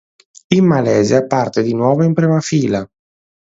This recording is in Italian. In Malesia parte di nuovo in prima fila.